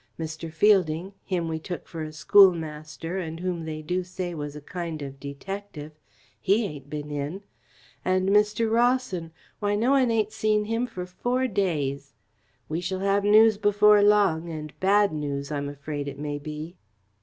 Mr. Fielding him we took for a schoolmaster and whom they do say was a kind of detective he ain't been in. And Mr. Rawson why, no one ain't seen him for four days. We shall have news before long, and bad news, I'm afraid it may be."